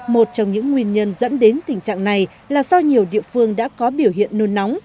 một trong những nguyên nhân dẫn đến tình trạng này là do nhiều địa phương đã có biểu hiện nôn nóng